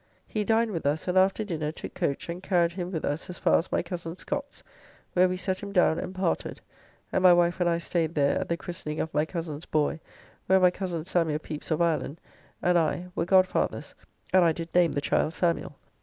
He dined with us, and after dinner took coach and carried him with us as far as my cozen Scott's, where we set him down and parted, and my wife and I staid there at the christening of my cozens boy, where my cozen Samuel Pepys, of Ireland, and I were godfathers, and I did name the child Samuel.